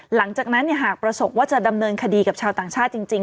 หลังจากนั้นหากประสบว่าจะดำเนินคดีกับชาวต่างชาติจริง